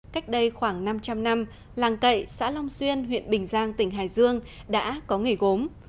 cách đây khoảng năm trăm linh năm làng cậy xã long xuyên huyện bình giang tỉnh hải dương đã có nghề gốm